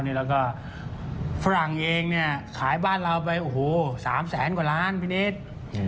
แล้วก็ฝรั่งเองเนี่ยขายบ้านเราไปโอ้โห๓แสนกว่าล้านพี่นิด